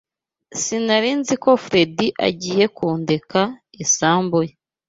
Sinari nzi ko Fredy agiye kundeka isambu ye